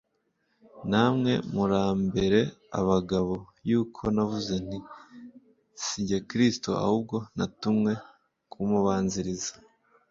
Namwe murambere abagabo yuko navuze nti ‘Sijye Kristo, ahubwo natumwe kumubanziriza.